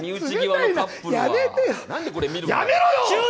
やめてよ。